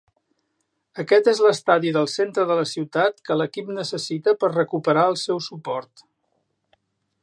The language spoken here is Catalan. Aquest es l'estadi del centre de la ciutat que l'equip necessita per recupera el seu suport.